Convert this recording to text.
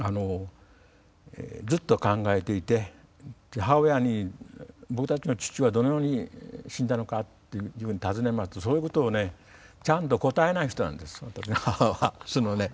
ずっと考えていて母親に「僕たちの父親どのように死んだのか」っていうふうに尋ねますとそういうことをねちゃんと答えない人なんです私の母は。